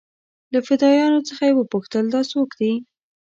له فدايانو څخه يې وپوښتل دا سوک دې.